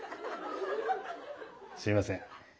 すいません。